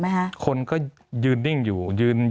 มีความรู้สึกว่ามีความรู้สึกว่า